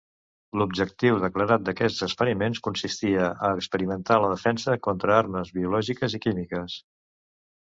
L'objectiu declarat d'aquests experiments consistia a experimentar la defensa contra armes biològiques i químiques.